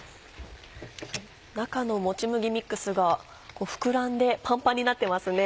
中の「もち麦ミックス」が膨らんでパンパンになってますね。